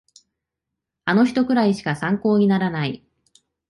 あの人くらいしか参考にならない